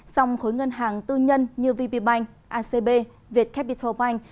dòng khối ngân hàng tư nhân như vb bank acb vietcapital bank